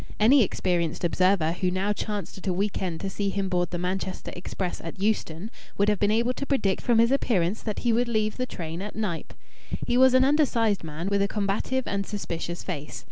Any experienced observer who now chanced at a week end to see him board the Manchester express at Euston would have been able to predict from his appearance that he would leave the train at Knype. He was an undersized man, with a combative and suspicious face.